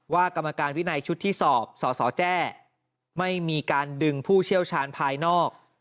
กรรมการวินัยชุดที่สอบสสแจ้ไม่มีการดึงผู้เชี่ยวชาญภายนอก